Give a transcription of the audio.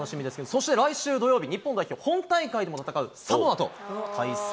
そして来週土曜日、日本代表、本大会でも戦う、サモアと対戦。